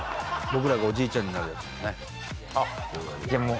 僕らおじいちゃんになるやつも。